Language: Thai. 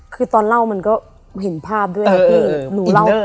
คือตอนเล่ามันก็เห็นภาพด้วยนะพี่